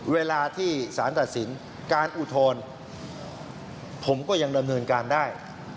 เวลาที่สารตัดสินการอุทธรณ์ผมก็ยังดำเนินการได้